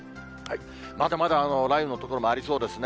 まだまだ雷雨の所もありそうですね。